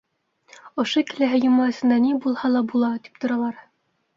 Ошо киләһе йома эсендә ни булһа ла була, тип торалар.